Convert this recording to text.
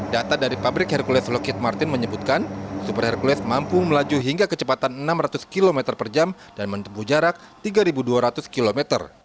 data dari pabrik hercules locket martin menyebutkan super hercules mampu melaju hingga kecepatan enam ratus km per jam dan menempuh jarak tiga dua ratus km